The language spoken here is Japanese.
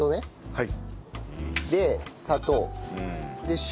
はい。